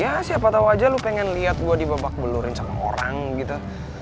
ya siapa tau aja lo pengen liat gue dibabak belurin sama orang gitu